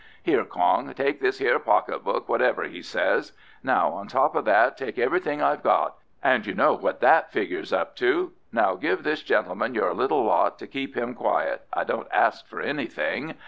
"Here, Kong, take this hyer pocket book whatever he says. Now on the top of that take everything I've got, and you know what THAT figures up to. Now give this gentleman your little lot to keep him quiet; I don't ask for anything.